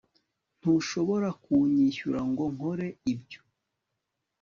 ntushobora kunyishyura ngo nkore ibyo